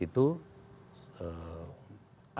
agar kemudian pemerintah kembali